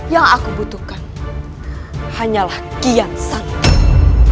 yang aku butuhkan hanyalah kian santun